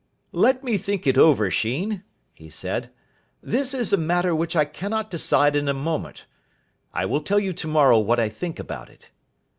"Let me think it over, Sheen," he said. "This is a matter which I cannot decide in a moment. I will tell you tomorrow what I think about it."